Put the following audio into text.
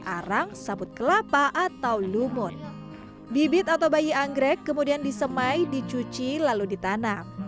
arang sabut kelapa atau lumut bibit atau bayi anggrek kemudian disemai dicuci lalu ditanam